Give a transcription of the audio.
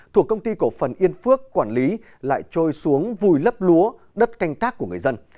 thuộc công ty cổ phần yên phước quản lý lại trôi xuống vùi lấp lúa đất canh tác của người dân